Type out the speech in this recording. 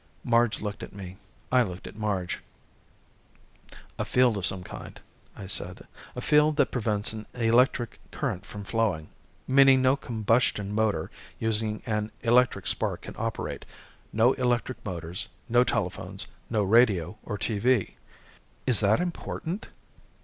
Marge looked at me. I looked at Marge. "A field of some kind," I said. "A field that prevents an electric current from flowing. Meaning no combustion motor using an electric spark can operate. No electric motors. No telephones. No radio or TV." "Is that important?"